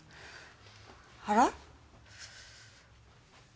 あら？